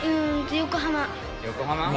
横浜？